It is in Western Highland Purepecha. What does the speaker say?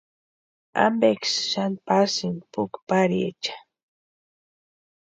¿Ampeksï xani pasïni puki pariecha?